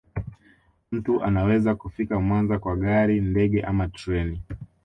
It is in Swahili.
Mtu anaweza kufika Mwanza kwa gari ndege ama treni